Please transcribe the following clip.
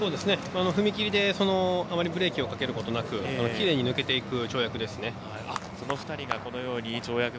踏み切りであまりブレーキをかけることなくきれいに抜けていく跳躍ですね。